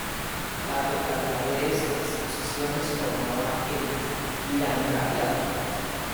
La totalidad de estas posesiones formaba el Landgraviato.